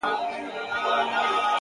پوهه د فرصتونو شمېر زیاتوي!.